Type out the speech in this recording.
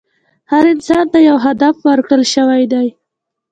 هر انسان ته یو هدف ورکړل شوی دی.